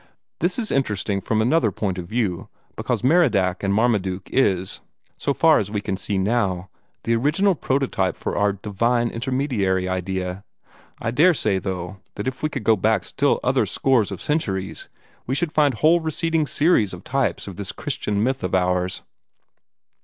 This is interesting from another point of view, because this Merodach or Marmaduke is, so far as we can see now, the original prototype of our 'divine intermediary' idea. I daresay, though, that if we could go back still other scores of centuries, we should find whole receding series of types of this Christ myth of ours."